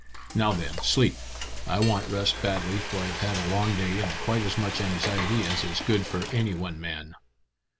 Now then, sleep. I want rest badly, for I've had a long day and quite as much anxiety as is good for any one man."